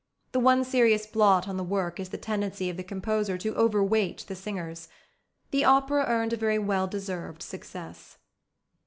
The one serious blot on the work is the tendency of the composer to over weight the singers. The opera earned a very well deserved success.